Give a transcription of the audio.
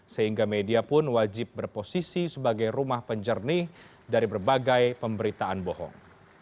sehingga media pun wajib berposisi sebagai rumah penjernih dari berbagai pemberitaan bohong